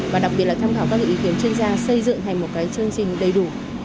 và đặc biệt là tham khảo các ý kiến chuyên gia xây dựng thành một cái chương trình đầy đủ